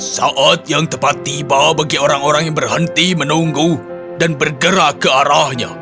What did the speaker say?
saat yang tepat tiba bagi orang orang yang berhenti menunggu dan bergerak ke arahnya